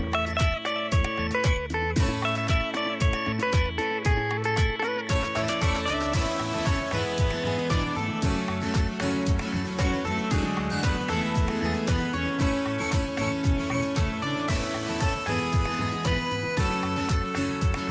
โปรดติดตามตอนต่อไป